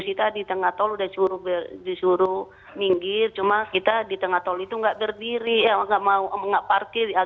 kita di tengah tol udah disuruh minggir cuma kita di tengah tol itu nggak berdiri nggak parkir